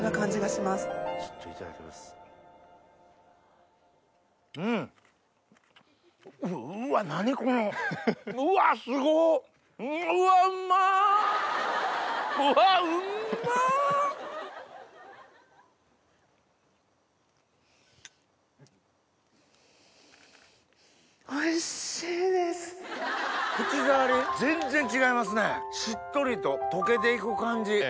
しっとりと溶けて行く感じ。